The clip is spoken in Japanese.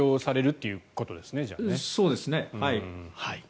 そうですね、はい。